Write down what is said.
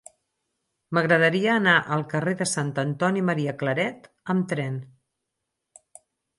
M'agradaria anar al carrer de Sant Antoni Maria Claret amb tren.